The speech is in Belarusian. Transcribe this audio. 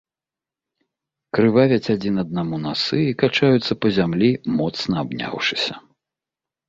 Крывавяць адзін аднаму насы і качаюцца па зямлі, моцна абняўшыся.